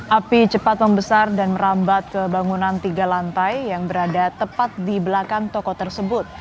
api cepat membesar dan merambat ke bangunan tiga lantai yang berada tepat di belakang toko tersebut